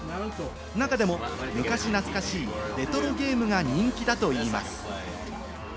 中でも昔懐かしいレトロゲームが人気だといいます。